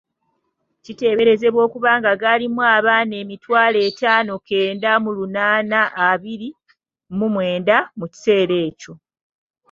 Kiteeberezebwa okuba nga gaalimu abaana emitwalo etaano kenda mu lunaana abiri mu mwenda mu kiseera ekyo.